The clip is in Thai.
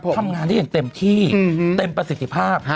ทำงานได้อย่างเต็มที่เต็มประสิทธิภาพ